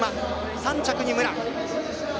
３着に武良。